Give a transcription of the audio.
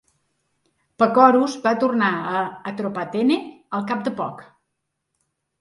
Pacorus va tornar a Atropatene al cap de poc.